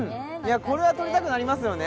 いやこれは撮りたくなりますよね。